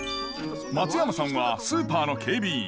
松山さんはスーパーの警備員。